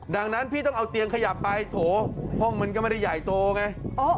ดังนั้นพี่ต้องเอาเตียงขยับไปโถห้องมันก็ไม่ได้ใหญ่โตไง